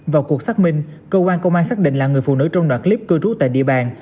vào cuộc xác minh cơ quan công an xác định là người phụ nữ trong đoạn clip cư trú tại địa bàn